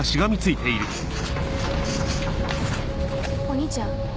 お兄ちゃん？